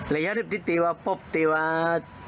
และยาเรียบทิศตีว่าปบตีว่า